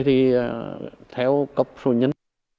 thì theo cấp số nhân